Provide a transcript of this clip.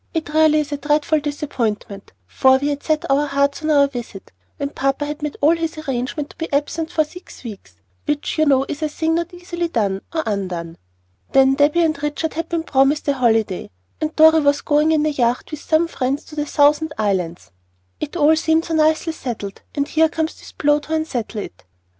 It really is a dreadful disappointment, for we had set our hearts on our visit, and papa had made all his arrangements to be absent for six weeks, which you know is a thing not easily done, or undone. Then Debby and Richard had been promised a holiday, and Dorry was going in a yacht with some friends to the Thousand Islands. It all seemed so nicely settled, and here comes this blow to unsettle it.